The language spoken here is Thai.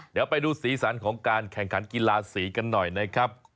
เดี๋ยวไปดูสีสันของการแข่งขันกีฬาสีกันหน่อยนะครับ